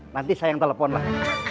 nanti saya yang telepon lah